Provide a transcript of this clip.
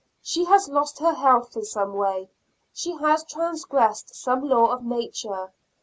she has lost her health in some way; she has transgressed some law of nature.